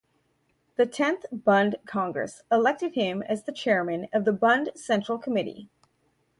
The tenth Bund congress elected him as the Chairman of the Bund Central Committee.